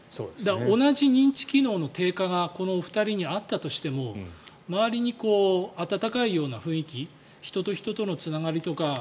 同じ認知機能の低下がこのお二人にあったとしても周りに温かいような雰囲気人と人とのつながりとか。